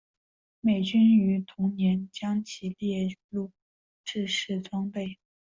美军于同年将其列入制式装备。